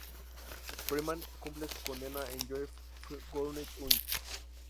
Freeman cumple su condena en Joe F. Gurney Unit.